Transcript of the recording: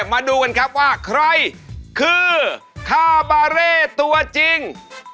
มาดูกันครับว่าใครคือคาบาเร่ตัวจริง